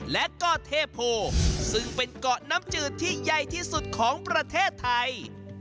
และเกาะเทโพซึ่งเป็นเกาะน้ำจืดที่ใหญ่ที่สุดของประเทศไทย